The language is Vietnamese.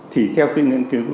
thì theo tư nghiên cứu